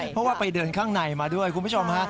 เพราะว่าไปเดินข้างในมาด้วยคุณผู้ชมฮะ